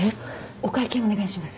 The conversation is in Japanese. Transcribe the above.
お会計お願いします。